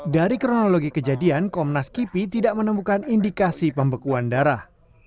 dari kronologi kejadian komnaskipi tidak menemukan indikasi pembekuan darah